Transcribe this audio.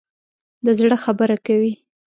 د زړه خبره کوي.